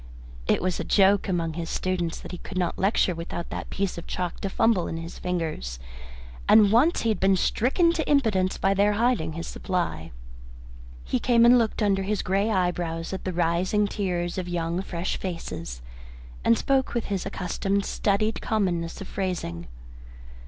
It was a joke among his students that he could not lecture without that piece of chalk to fumble in his fingers, and once he had been stricken to impotence by their hiding his supply. He came and looked under his grey eyebrows at the rising tiers of young fresh faces, and spoke with his accustomed studied commonness of phrasing.